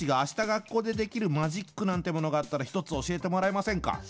学校でできるマジックなんてものがあったら一つ教えてもらえませんか？